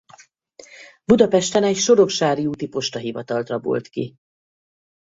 Budapesten egy Soroksári úti postahivatalt rabolt ki.